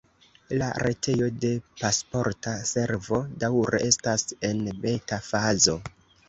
La retejo de Pasporta Servo daŭre estas en beta-fazo.